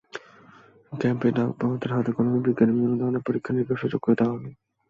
ক্যাম্পে ডাক পাওয়াদের হাতে-কলমে বিজ্ঞানের বিভিন্ন ধরনের পরীক্ষা-নিরীক্ষার সুযোগ করে দেওয়া হবে।